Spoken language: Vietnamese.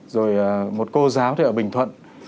rồi một cô giáo ở bình thuận